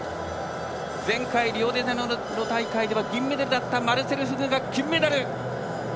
前回、リオデジャネイロ大会では銀メダルだったマルセル・フグが金メダル。